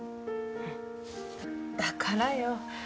だからよ。